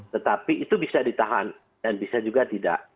tetapi itu bisa ditahan dan bisa juga tidak